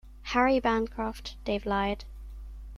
Harry Bancroft, Dave lied.